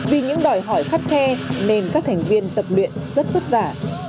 vì những đòi hỏi khắt khe nên các thành viên tập luyện rất vất vả